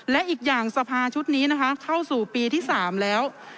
และอีกอย่างสภาชุดนี้นะคะเข้าสู่ปีที่๓แล้ว